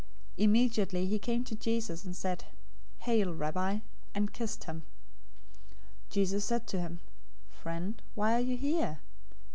026:049 Immediately he came to Jesus, and said, "Hail, Rabbi!" and kissed him. 026:050 Jesus said to him, "Friend, why are you here?"